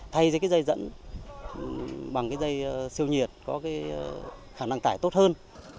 thay dây dẫn bằng dây siêu nhiệt có khả năng tải tốt hơn